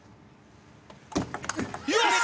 よし！